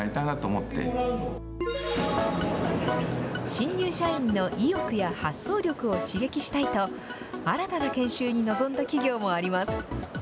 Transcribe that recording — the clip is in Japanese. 新入社員の意欲や発想力を刺激したいと、新たな研修に臨んだ企業もあります。